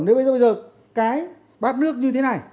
nếu bây giờ cái bát nước như thế này